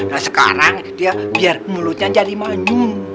nah sekarang dia biar mulutnya jadi manyum